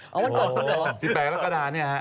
อ๋อ๑๘ลักษณะเนี่ย